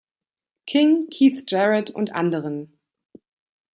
King, Keith Jarrett und anderen.